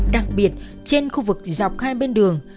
đặc biệt trên khu vực dọc hai bên đường